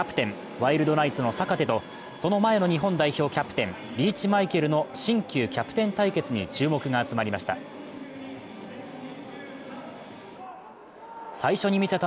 ワイルドナイツの坂手とその前の日本代表キャプテン、リーチマイケルの新旧キャプテン対決に注目が集まりました。